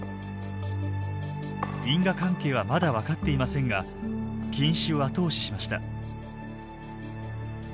因果関係はまだ分かっていませんが禁止を後押ししました。